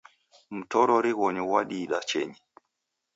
Mtorori ghonyu ghwadiida chienyi.